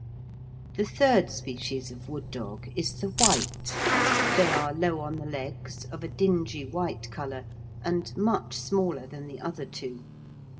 The third species of wood dog is the white. They are low on the legs, of a dingy white colour, and much smaller than the other two.